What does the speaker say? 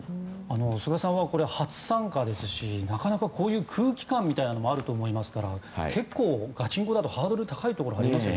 菅さんは初参加ですしなかなか空気感みたいなものもあると思いますから結構、ガチンコだとハードル高いですよね。